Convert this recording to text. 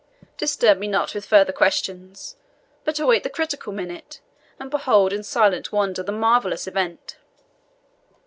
Disturb me not with further questions, but await the critical minute, and behold in silent wonder the marvellous event."